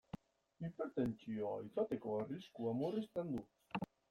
Hipertentsioa izateko arriskua murrizten du.